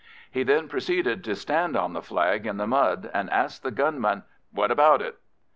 He then proceeded to stand on the flag in the mud, and asked the gunman, "What about it?"